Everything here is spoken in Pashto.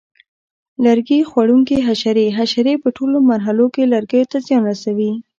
لرګي خوړونکي حشرې: حشرې په ټولو مرحلو کې لرګیو ته زیان رسوي.